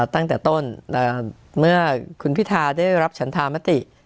ตั้งแต่ต้นเมื่อคุณพิธาได้รับฉันธามติ